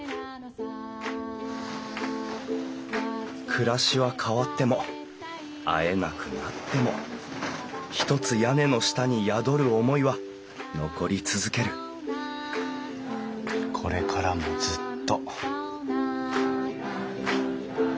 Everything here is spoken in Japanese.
暮らしは変わっても会えなくなってもひとつ屋根の下に宿る思いは残り続けるこれからもずっと。